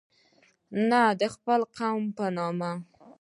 نه د خپل قوم په نوم.